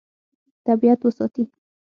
طبیعت وساتي.